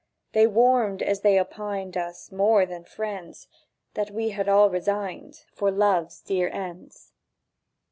They warmed as they opined Us more than friends— That we had all resigned For love's dear ends.